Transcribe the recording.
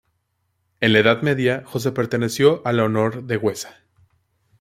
En la Edad Media Josa perteneció a la Honor de Huesa.